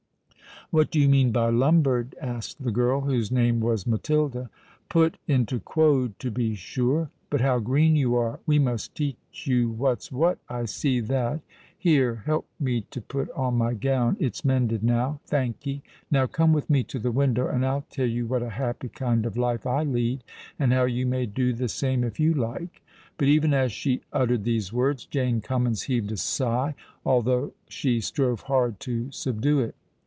"What do you mean by lumbered?" asked the girl, whose name was Matilda. "Put into quod, to be sure. But how green you are. We must teach you what's what, I see that. Here—help me to put on my gown—it's mended now. Thank'ee. Now come with me to the window, and I'll tell you what a happy kind of life I lead—and how you may do the same if you like." But even as she uttered these words, Jane Cummins heaved a sigh—although she strove hard to subdue it.